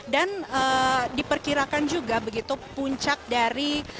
dan diperkirakan juga begitu puncak dari